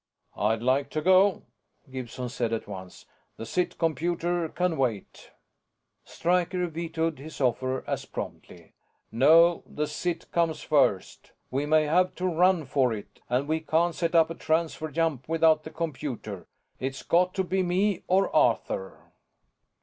"I'd like to go," Gibson said at once. "The ZIT computer can wait." Stryker vetoed his offer as promptly. "No, the ZIT comes first. We may have to run for it, and we can't set up a Transfer jump without the computer. It's got to be me or Arthur."